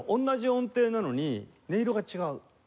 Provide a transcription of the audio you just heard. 同じ音程なのに音色が違う。